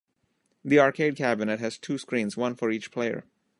The arcade cabinet has two screens - one for each player.